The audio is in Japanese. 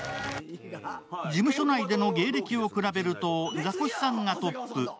事務所内での芸歴を比べるとザコシさんがトップ。